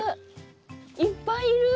いっぱいいる。